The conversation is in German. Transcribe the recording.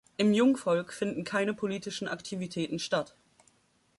Im Jungvolk finden keine politischen Aktivitäten statt.